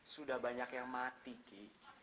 sudah banyak yang mati ki